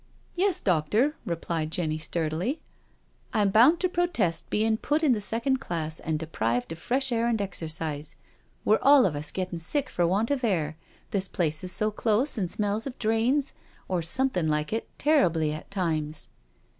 " Yes, doctor," replied Jenny sturdily. " I'm bound to protest bein' put in the second class and deprived of fresh air and exercise. We're all of us gettin' sick for want of air— this place is so close and smells of drains, or something like it, terribly at times.'